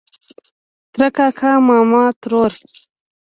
ترۀ کاکا ماما ترور